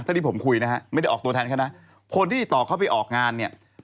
ถ้าที่ผมคุยนะฮะไม่ได้ออกตัวแทนเขานะคนที่ติดต่อเขาไปออกงานเนี่ย